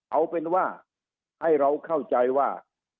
เอาเป็นว่าให้เราเข้าใจว่า